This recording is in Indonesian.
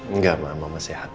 enggak mama mama sehat